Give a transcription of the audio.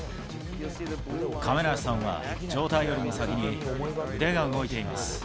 亀梨さんは上体よりも先に、腕が動いています。